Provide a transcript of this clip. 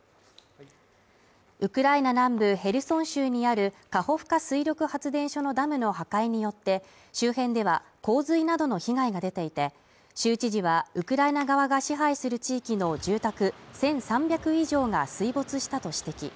ウクライナ南部ヘルソン州にあるカホフカ水力発電所のダムの破壊によって周辺では、洪水などの被害が出ていて、州知事は、ウクライナ側が支配する地域の住宅１３００以上が水没したと指摘。